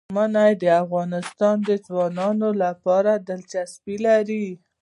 منی د افغان ځوانانو لپاره دلچسپي لري.